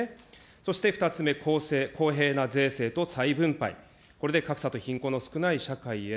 そして２つ目、公正、公平な税制と再分配、これで格差と貧困の少ない社会へ。